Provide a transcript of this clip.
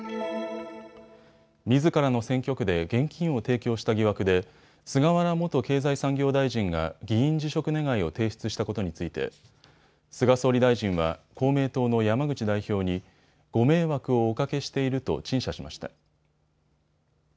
みずからの選挙区で現金を提供した疑惑で菅原元経済産業大臣が議員辞職願を提出したことについて菅総理大臣は公明党の山口代表にご迷惑をおかけしていると陳謝しました。